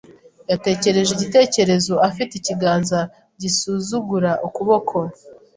Yatekereje igitekerezo afite ikiganza gisuzugura ukuboko.